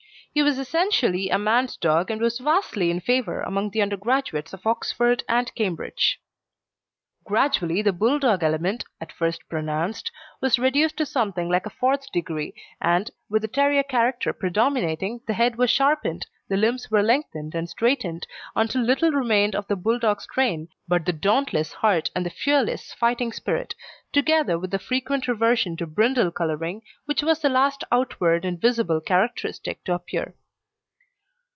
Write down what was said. He was essentially a man's dog, and was vastly in favour among the undergraduates of Oxford and Cambridge. Gradually the Bulldog element, at first pronounced, was reduced to something like a fourth degree, and, with the terrier character predominating, the head was sharpened, the limbs were lengthened and straightened until little remained of the Bulldog strain but the dauntless heart and the fearless fighting spirit, together with the frequent reversion to brindle colouring, which was the last outward and visible characteristic to disappear.